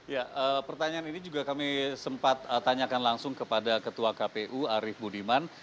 ya pertanyaan ini juga kami sempat tanyakan langsung kepada ketua kpu arief budiman